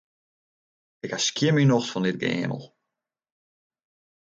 Ik ha skjin myn nocht fan dit geëamel.